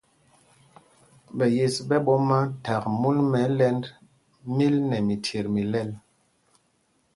Ɓɛ yes ɓɛ̄ ɓɔ́ma thak múl mɛ ɛ́lɛ́nd míl nɛ michyet mi lɛl.